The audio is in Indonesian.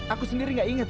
aku sendiri tidak ingat